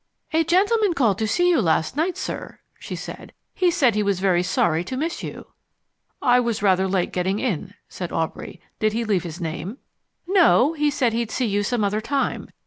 "A gentleman called to see you last night, sir," she said. "He said he was very sorry to miss you." "I was rather late in getting in," said Aubrey. "Did he leave his name?" "No, he said he'd see you some other time.